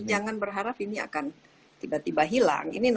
jangan berharap ini akan tiba tiba hilang